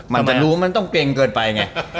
มันจะรู้ว่ามันต้องเก่งเกินไปไง